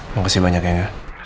mau kasih banyak ya nggak